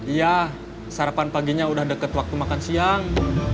iya sarapan paginya udah deket waktu makan siang